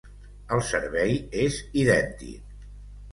El servei és idèntic.